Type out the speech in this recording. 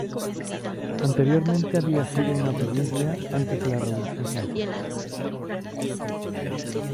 Anteriormente había sido una provincia antes de la Revolución Francesa.